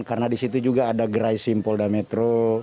karena di situ juga ada gerai simpolda metro